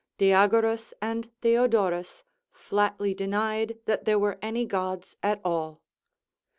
Diagoras and Theodoras flatly denied that there were any gods at all.